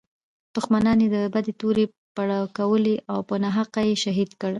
دښمنانو یې د بدۍ تورې پړکولې او په ناحقه یې شهید کړ.